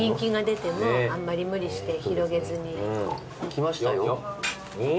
来ましたよ。